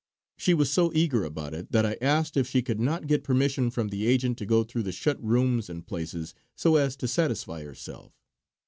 She was so eager about it that I asked if she could not get permission from the agent to go through the shut rooms and places so as to satisfy herself.